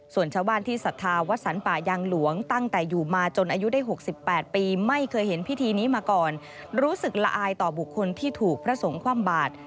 ส่วนชาวบ้านที่ศรัทธาวัดสรรป่ายางหลวงตั้งแต่อยู่มาจนอายุได้๖๘ปีไม่เคยเห็นพิธีนี้มาก่อนรู้สึกละอายต่อบุคคลที่ถูกพระสงฆ์คว่ำบาด